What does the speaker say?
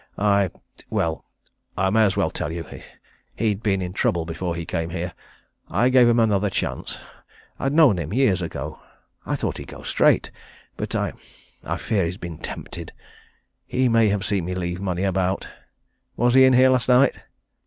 I well, I may as well tell you he'd been in trouble before he came here. I gave him another chance I'd known him, years ago. I thought he'd go straight. But I fear he's been tempted. He may have seen me leave money about. Was he in here last night?"